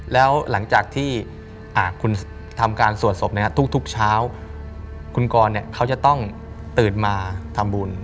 แล้วหลังจากที่คุณทำการสวดศพทุกเช้าคุณกรเขาจะต้องตื่นมาทำบุญ